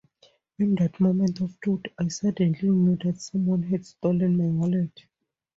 In that moment of truth, I suddenly knew that someone had stolen my wallet.